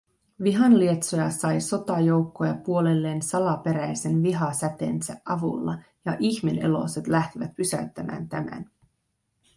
Vihanlietsoja sai sotajoukkoja puolelleen salaperäisen Viha-säteensä avulla ja Ihmeneloset lähtivät pysäyttämään tämän